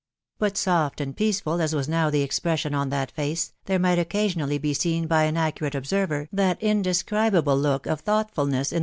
But soft and peaceful as was now the expression of that face, there might occasionally be seen by an accurate observer ik&t indescribable look of tfooughtfulness in.